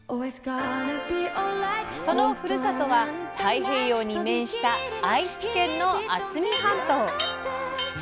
そのふるさとは太平洋に面した愛知県の渥美半島。